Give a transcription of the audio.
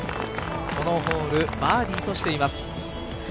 このホールバーディーとしています。